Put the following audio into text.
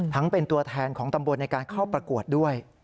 ทั้งเป็นตัวแทนของตำบลในการเข้าประกวดด้วย